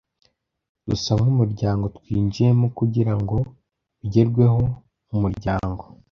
dusa nk umuryango twinjiyemo kugirango bigerweho umuryango